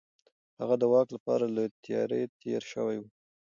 هغه د واک لپاره له تيارۍ تېر شوی و.